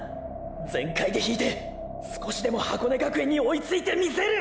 全開で引いて少しでも箱根学園に追いついてみせる！！